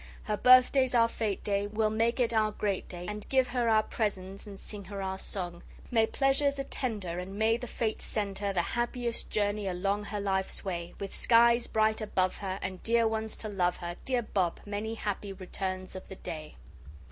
Her birthday's our fete day, We'll make it our great day, And give her our presents And sing her our song. May pleasures attend her And may the Fates send her The happiest journey Along her life's way. With skies bright above her And dear ones to love her! Dear Bob! Many happy Returns of the day!